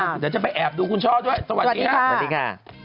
เดี๋ยวจะไปแอบดูคุณช่อด้วยสวัสดีค่ะ